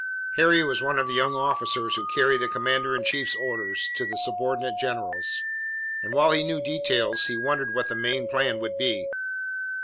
Harry was one of the young officers who carried the commander in chief's orders to the subordinate generals, and while he knew details, he wondered what the main plan would be.